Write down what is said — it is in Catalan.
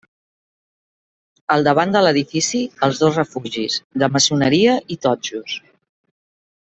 Al davant de l'edifici els dos refugis, de maçoneria i totxos.